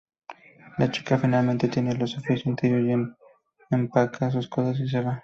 La chica finalmente tiene lo suficiente y huye, empaca sus cosas y se va.